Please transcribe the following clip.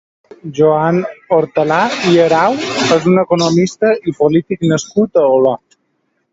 Joan Hortalà i Arau és un economista i polític nascut a Olot.